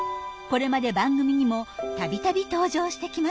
これまで番組にもたびたび登場してきました。